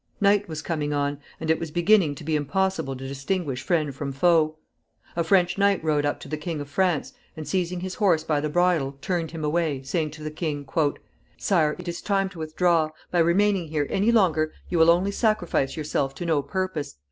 Night was coming on, and it was beginning to be impossible to distinguish friend from foe. A French knight rode up to the King of France, and, seizing his horse by the bridle, turned him away, saying to the king, "Sire, it is time to withdraw. By remaining here any longer you will only sacrifice yourself to no purpose.